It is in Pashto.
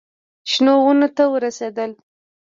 شنو ونو ته ورسېدل.